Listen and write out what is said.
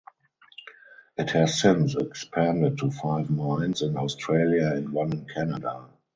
It has since expanded to five mines in Australia and one in Canada.